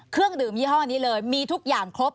เครื่องดื่มยี่ห้อนี้เลยมีทุกอย่างครบ